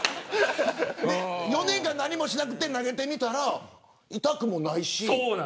４年間何もしなくて投げてみたら痛くもないし。